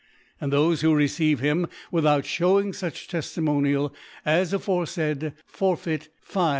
And* thofe who receive him without (hewing fuch Teftimonial as aforefaid, forfeit 5